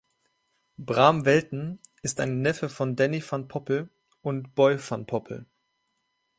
Bram Welten ist ein Neffe von Danny van Poppel und Boy van Poppel.